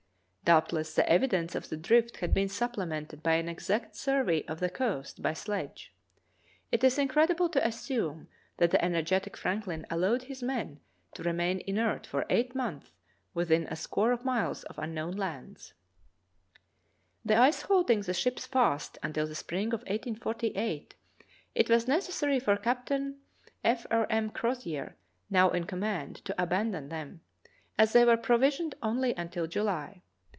Doubtless the evidence of the drift had been supplemented by an exact survey of the coast by sledge. It is incredible to assume that the energetic Franklin allowed his men to remain inert for eight months within a score of miles of unknown lands. The ice holding the ships fast until the spring of 1848, it was necessary for Captain F. R. M. Crozier, now in command, to abandon them, as they were provisioned only until July.